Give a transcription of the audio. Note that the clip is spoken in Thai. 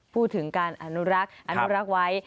พูดถึงการอนุรักษ์อนุรักษ์ไว้